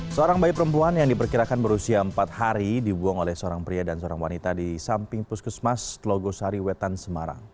seorang bayi perempuan yang diperkirakan berusia empat hari dibuang oleh seorang pria dan seorang wanita di samping puskesmas telogosari wetan semarang